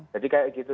jadi kayak gitu